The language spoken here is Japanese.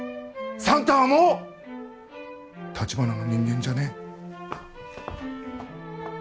算太はもう橘の人間じゃねえ。